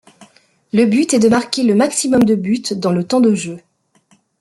Le but est de marquer le maximum de buts dans le temps de jeu.